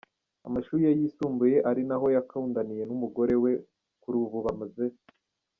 amashuri ye yisumbuye ari naho yakundaniye n'umugore we kuri ubu bamaze